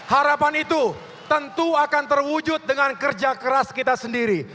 harapan itu tentu akan terwujud dengan kerja keras kita sendiri